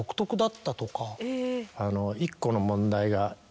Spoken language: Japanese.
１個の問題が。